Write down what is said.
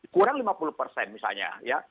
kurang lima puluh persen misalnya ya